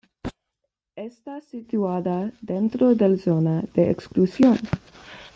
Está situada dentro del zona de exclusión.